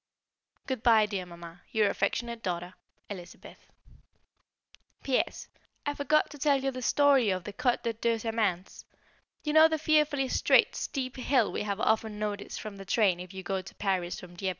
Good bye, dear Mamma, your affectionate daughter, Elizabeth. [Sidenote: A Full blown Bride] P.S. I forgot to tell you the story of the "Côte des deux Amants." You know the fearfully straight, steep hill we have often noticed from the train if you go to Paris from Dieppe.